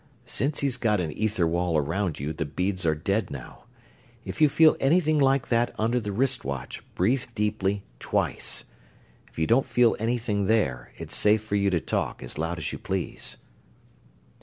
Since he's got an ether wall around you the beads are dead now. If you feel anything like that under the wrist watch, breathe deeply, twice. If you don't feel anything there, it's safe for you to talk, as loud as you please.